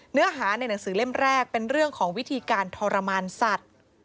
เนื้อหาในหนังสือเล่มแรกเป็นเรื่องของวิธีการทรมานสัตว์